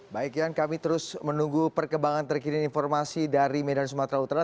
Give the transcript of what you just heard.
baik yan kami terus menunggu perkembangan terkini informasi dari medan sumatera utara